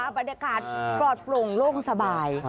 อ่าบรรยากาศปลอดภัยโล่งสบาย